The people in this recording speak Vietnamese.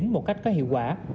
một cách có hiệu quả